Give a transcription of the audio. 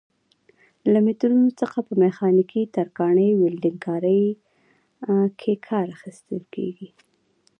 له مترونو څخه په میخانیکي، ترکاڼۍ، ولډنګ کارۍ کې کار اخیستل کېږي.